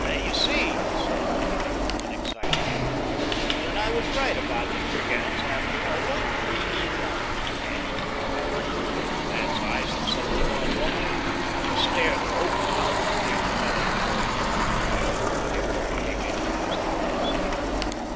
"You see," said Barney unexcitedly, "that I was right about the brigands after all. What do you want, my man?" The man's eyes had suddenly gone wide. He stared with open mouth at the young fellow before him. Then a cunning look came into his eyes.